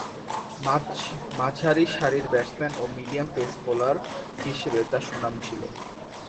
মাঝারিসারির batsman ও medium pace bowler হিসেবে তার সুনাম ছিল।